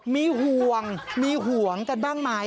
มีห่วงมีห่วงกันบ้างไหม